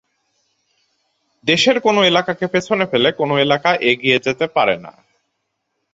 দেশের কোনো এলাকাকে পেছনে ফেলে কোনো এলাকা এগিয়ে যেতে পারে না।